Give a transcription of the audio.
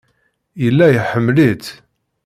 Yella iḥemmel-itt.